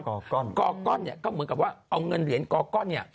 กอก้อนเนี่ยก็เหมือนกับว่าเอาเงินเหรียญกอก้อนเนี่ย